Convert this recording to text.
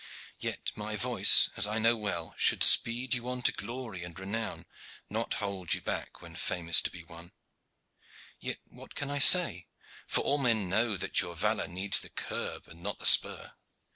Yet my voice, as I know well, should speed you on to glory and renown, not hold you back when fame is to be won. Yet what can I say, for all men know that your valor needs the curb and not the spur.